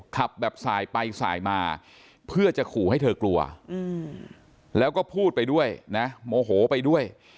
ขับแบบสายไปสายมาเพื่อจะขู่ให้เธอกลัวแล้วก็พูดไปด้วยนะโมโหไปด้วย